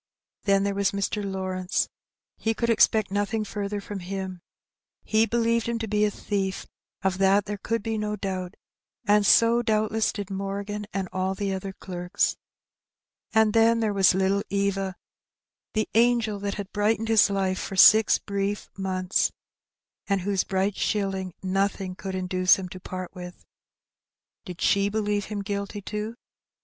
Then there was Mr. Lawrence; he could expect nothing further from him. He believed him to be a thief, of that there could be no doubt, and so doubtless did Morgan and all the other clerks. And then there was little Eva, the angel that had brightened his life for six brief months, and whose bright shilling nothing could induce him to part with. Did she believe him guilty too?